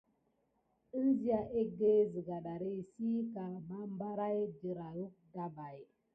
Ənzia egge zega ɗari si kan mabarain dirayuck dapay.